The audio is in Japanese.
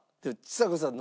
ちさ子さん